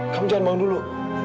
kamu jangan bangun dulu